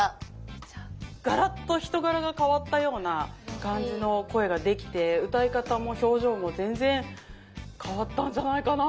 ガラッと人柄が変わったような感じの声ができて歌い方も表情も全然変わったんじゃないかな。